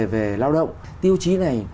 về lao động tiêu chí này